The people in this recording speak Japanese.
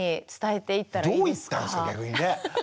どう言ったらいいですか逆にね。